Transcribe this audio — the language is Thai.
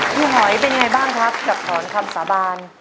พี่หอยเป็นอย่างไรบ้างครับกับถอนคำสาบาน